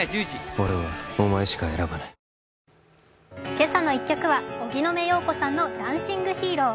「けさの１曲」は荻野目洋子さんの「ダンシング・ヒーロー」。